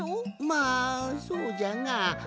まあそうじゃが。